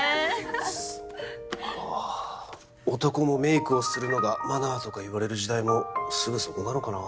そっかぁ男もメイクをするのがマナーとか言われる時代もすぐそこなのかな。